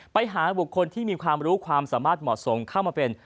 ไปหาบุคคลที่มีความรู้ความสามารถเหมาะสมเข้ามาเป็น